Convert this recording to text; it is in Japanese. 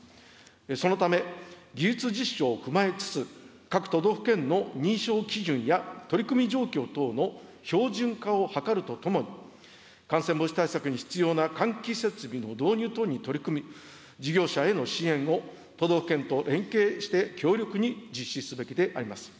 そのため、技術実証を踏まえつつ、各都道府県の認証基準や取り組み状況等の標準化を図るとともに、感染防止対策に必要な換気設備の導入等に取り組む事業者への支援を都道府県と連携して、強力に実施すべきであります。